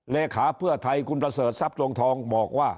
เลขาเพื่อไทยคุณประเสริฐทรัพย์ดวงทองบอกว่า